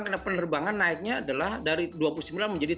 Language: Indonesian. karena penerbangan naiknya adalah dari dua puluh sembilan menjadi tiga puluh tiga